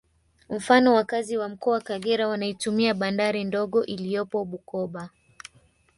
Mfano wakazi wa Mkoa Kagera wanaitumia bandari ndogo iliyopo Bukoba